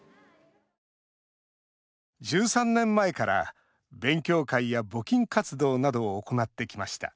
１３年前から勉強会や募金活動などを行ってきました